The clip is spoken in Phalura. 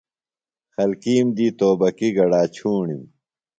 خلکیم دی توبکی گڈا چھوݨِم۔